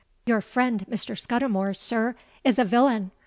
"'Your friend Mr. Scudimore, sir, is a villain!'